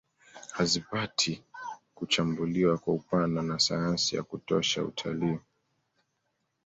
Hazipati kuchambuliwa kwa upana na sayansi ya kutosha ya utalii